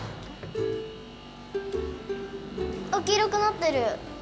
あっ黄色くなってる！